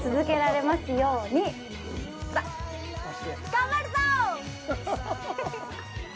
頑張るぞ！